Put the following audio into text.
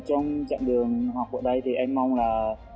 trong chặng đường học ở đây thì em mong là